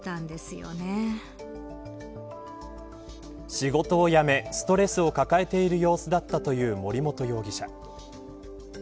仕事を辞めストレスを抱えている様子だったという森本容疑者。